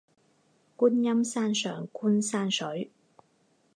观音山上观山水